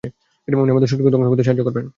উনি আমাদের শত্রুকে ধ্বংস করতে সাহায্য করবেন!